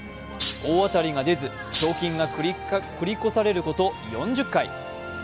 大当たりが出ず賞金が繰り越されること４０回。